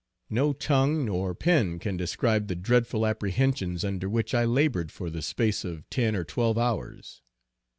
No tongue nor pen can describe the dreadful apprehensions under which I labored for the space of ten or twelve hours.